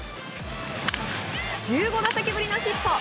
１５打席ぶりのヒット。